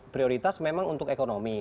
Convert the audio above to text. prioritas memang untuk ekonomi